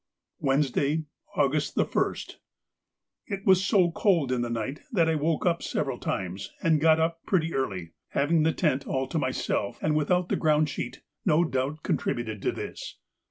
Wednesday, August the 1st.—It was so cold in the night that I woke up several times and got up pretty early. (Having the tent all to myself and without the ground sheet no doubt contributed to this.)